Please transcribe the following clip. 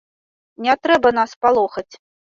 Не трэба нас палохаць.